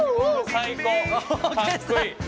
最高！